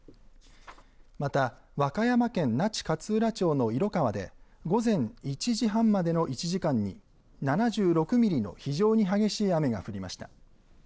また、和歌山県那智勝浦町の色川で午前１時半までの１時間に７６ミリの非常に激しい雨が降りました。